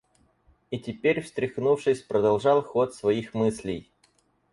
И теперь, встряхнувшись, продолжал ход своих мыслей.